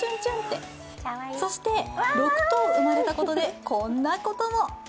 そして、６頭生まれたことでこんなことも。